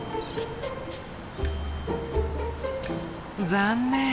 残念。